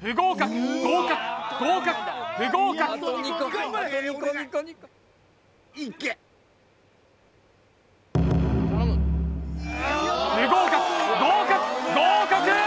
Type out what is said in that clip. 不合格合格合格不合格不合格合格合格！